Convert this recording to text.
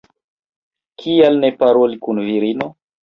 Kial ne paroli kun virino?